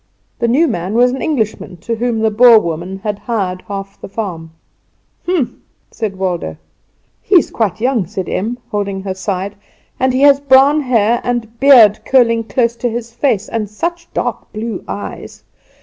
The new man was an Englishman to whom the Boer woman had hired half the farm. "Hum!" said Waldo. "He is quite young," said Em, holding her side, "and he has brown hair, and beard curling close to his face, and such dark blue eyes.